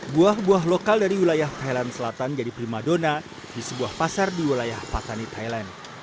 buah buah lokal dari wilayah thailand selatan jadi prima dona di sebuah pasar di wilayah patani thailand